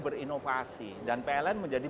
berinovasi dan pln menjadi